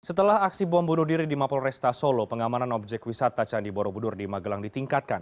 setelah aksi bom bunuh diri di mapol resta solo pengamanan objek wisata candi borobudur di magelang ditingkatkan